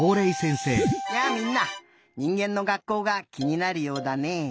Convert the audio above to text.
やあみんなにんげんの学校がきになるようだねえ。